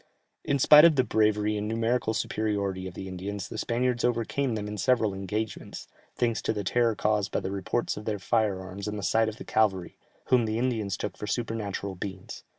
In spite of the bravery and numerical superiority of the Indians, the Spaniards overcame them in several engagements, thanks to the terror caused by the reports of their fire arms and the sight of the cavalry, whom the Indians took for supernatural beings.